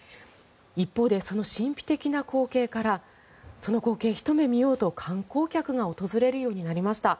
一方でその神秘的な光景からその光景をひと目見ようと観光客が訪れるようになりました。